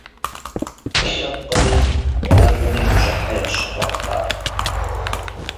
Лъэпкъми къуажэми гущӏыхьэ ящыхъуат ар.